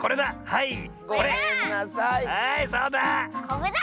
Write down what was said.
はいそうだ！